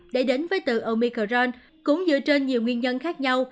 để đến với từ omicron cũng dựa trên nhiều nguyên nhân khác nhau